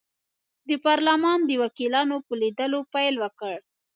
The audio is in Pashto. د پارلمان د وکیلانو په لیدلو پیل وکړ.